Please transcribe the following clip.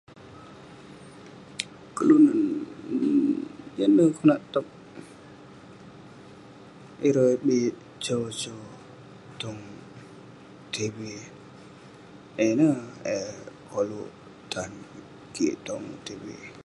[unintelligible] keh neh piak tog ireh bi show show tong tv, eh ineh eh koluk tan kik tong tv